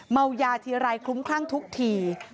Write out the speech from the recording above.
เมายาทีไรคลุ้มคลั่งทุกที